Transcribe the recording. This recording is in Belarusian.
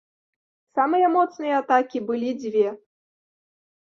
Самыя моцныя атакі былі дзве.